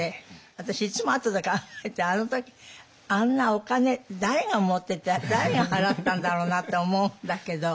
私いつも後で考えてあの時あんなお金誰が持ってて誰が払ったんだろうなって思うんだけど。